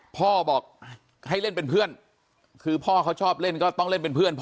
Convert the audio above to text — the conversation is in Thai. พ่อบอกให้เล่นเป็นเพื่อนคือพ่อเขาชอบเล่นก็ต้องเล่นเป็นเพื่อนพ่อ